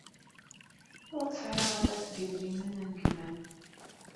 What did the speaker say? Ur tesɛid aṭas n yedrimen am gma-m.